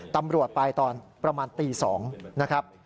ตำรวจไปตอนประมาณตี๒นะครับ